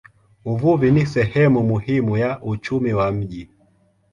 Uvuvi ni sehemu muhimu ya uchumi wa mji.